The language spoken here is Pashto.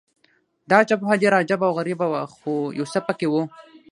دا جبهه ډېره عجبه او غریبه وه، خو یو څه په کې وو.